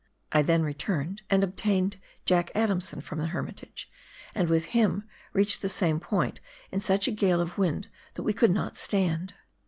I then returned and obtained Jack Adamson from the Hermit age, and with him reached the same point in such a gale of wind that we could not stand.